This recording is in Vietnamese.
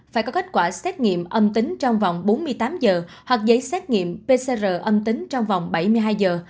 phải có kết quả xét nghiệm âm tính trong vòng bốn mươi tám giờ hoặc giấy xét nghiệm pcr âm tính trong vòng bảy mươi hai giờ